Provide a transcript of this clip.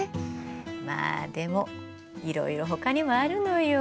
まあでもいろいろほかにもあるのよ。